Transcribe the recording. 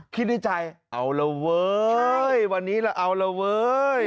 คิดในใจเอาละเว้ยวันนี้เราเอาละเว้ย